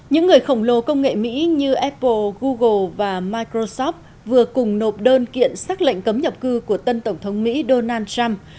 những người khổng lồ công nghệ mỹ như apple google và microsoft vừa cùng nộp đơn kiện xác lệnh cấm nhập cư của tân tổng thống mỹ donald trump